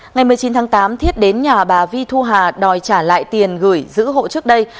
ngày một mươi chín tháng tám thiết đến nhà bà vi thu hà đòi trả lại tiền gửi giữ hộ trước đây